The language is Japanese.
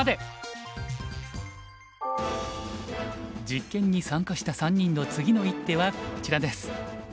実験に参加した３人の次の一手はこちらです。